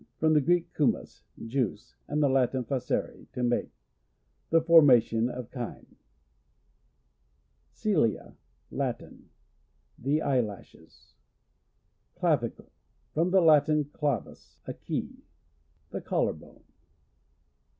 — From the Gicek, chum os, juice, and the Latin facere, to make. The formation of chyme. Cilia. — Latin. The eye lashes. Clavicle. — From the Latin, clavis, a key. The collar bone.